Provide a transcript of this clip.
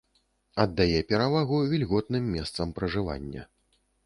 Аддае перавагу вільготным месцам пражывання.